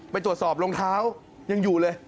ไปจวดสอบลงเท้ายังอยู่เลย